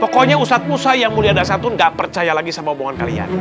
pokoknya ustadz musa yang mulia dasatun nggak percaya lagi sama omongan kalian